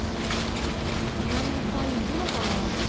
こんなにいっぱいいるのかな？